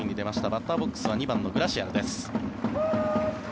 バッターボックスは２番のグラシアルです。